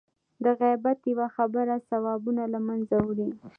د غیبت یوه خبره ثوابونه له منځه وړي.